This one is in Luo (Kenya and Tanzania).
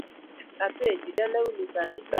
Apenji, dalau ni kanye?